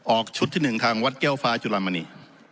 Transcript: ออกชุดที่หนึ่งทางวัดแก้วฟ้าจุลามณี